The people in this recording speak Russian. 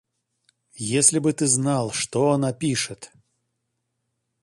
Если бы ты знал, что она пишет!